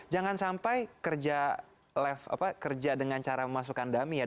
jangan sampai kerja dengan cara memasukkan dummy ya